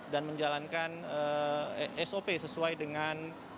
menjalankan sop sesuai dengan